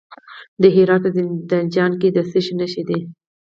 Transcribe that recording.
د هرات په زنده جان کې د څه شي نښې دي؟